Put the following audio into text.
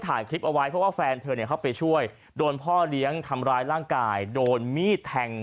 ทางข้าวไว้เพื่อแฟนเธอเนี่ยเขาไปช่วยโดนพ่อเลี้ยงทำร้ายร่างกายโดนมีดแทง